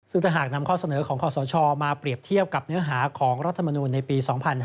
ซึ่งถ้าหากนำข้อเสนอของคอสชมาเปรียบเทียบกับเนื้อหาของรัฐมนูลในปี๒๕๕๙